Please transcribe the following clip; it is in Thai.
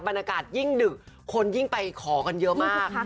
บรรยากาศยิ่งดึกคนยิ่งไปขอกันเยอะมาก